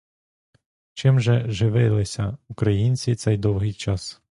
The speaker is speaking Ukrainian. Чим же живилися українці цей довгий час?